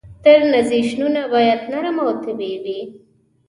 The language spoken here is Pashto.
ترنزیشنونه باید نرم او طبیعي وي.